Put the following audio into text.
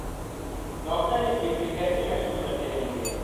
doctor اس kit میں کیسے محسوس کرتے رہیں گے